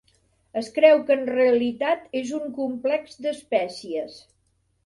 Es creu que en realitat és un complex d'espècies.